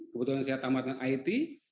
kebetulan saya tamatkan it